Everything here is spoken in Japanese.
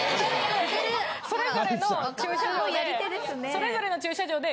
それぞれの駐車場で。